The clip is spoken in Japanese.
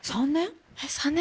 ３年？